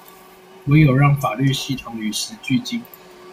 唯有讓法律系統與時俱進